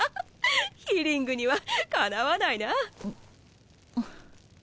ヒリングにはかなわないな。